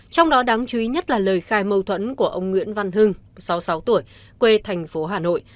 trong đó đáng chú ý nhất là lời khai mâu thuẫn của ông nguyễn văn hưng sáu mươi sáu tuổi quê thành phố hà nội